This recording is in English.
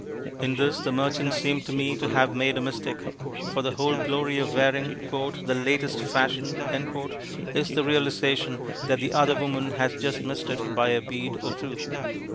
In this the merchant seemed to me to have made a mistake; for the whole glory of wearing "The Latest Fashion" is the realization that the other woman has just missed it by a bead or two.